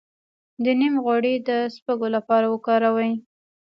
د نیم غوړي د سپږو لپاره وکاروئ